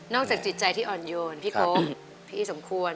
จากจิตใจที่อ่อนโยนพี่โกพี่สมควร